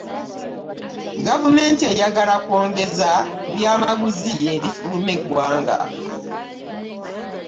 Gavumenti eyagala kwongeza ku byamaguzi ebifuluma eggwanga.